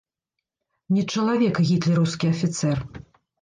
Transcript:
Не чалавек гітлераўскі афіцэр!